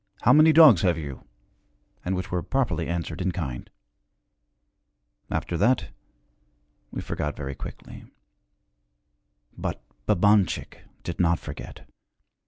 How many dogs have you?' and which were properly answered in kind. After that, we forgot very quickly. But Babanchik did not forget.